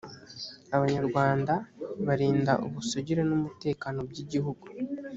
abanyarwanda barinda ubusugire n umutekano by’ igihugu.